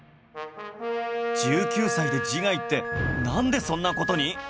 １９歳で自害ってなんでそんな事に？